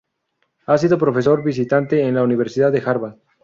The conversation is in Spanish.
Ha sido profesor visitante en la Universidad de Harvard.